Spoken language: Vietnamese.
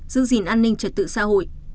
giữ gìn an ninh trật tự xã hội